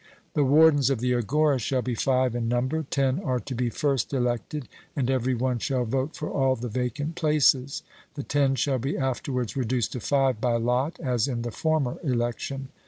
The wardens of the agora shall be five in number ten are to be first elected, and every one shall vote for all the vacant places; the ten shall be afterwards reduced to five by lot, as in the former election.